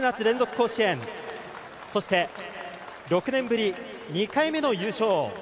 甲子園そして、６年ぶり２回目の優勝。